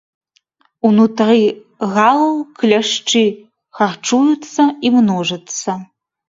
Унутры галаў кляшчы харчуюцца і множацца.